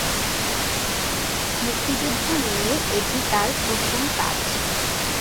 মুক্তিযুদ্ধ নিয়ে এটি তার প্রথম কাজ।